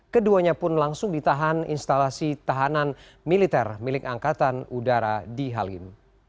keduanya pun langsung ditahan instalasi tahanan militer milik angkatan udara di halim